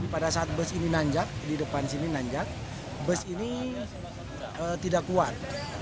pada saat bus ini nanjak di depan sini nanjak bus ini tidak kuat